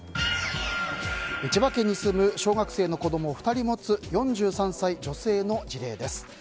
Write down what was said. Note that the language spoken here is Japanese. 千葉県に住む小学生の子供を２人持つ４３歳、女性の事例です。